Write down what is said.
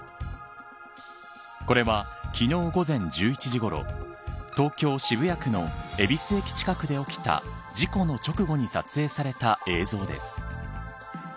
これは昨日午前１１時ごろ東京・渋谷区の恵比寿駅近くで起きた事故の直後に撮影された映像です。